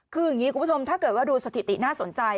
คืออย่างนี้คุณผู้ชมถ้าเกิดว่าดูสถิติน่าสนใจ